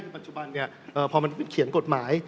พูดง่ายปัจจุบันพอเขียนกฎหมาย